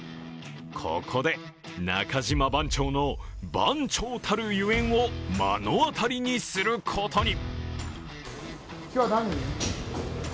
ここで中島番長の番長たるゆえんを目の当たりにすることに。